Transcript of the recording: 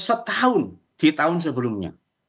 setahun di tahun sebelumnya